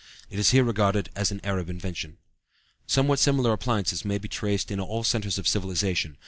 It is here regarded as an Arab invention. Somewhat similar appliances may be traced in all centres of civilization.